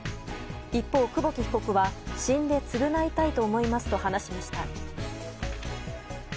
一方、久保木被告は死んで償いたいと思いますと話しました。